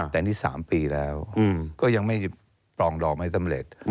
แต่นี่๓ปีแล้วก็ยังไม่ปรองดองให้สำเร็จ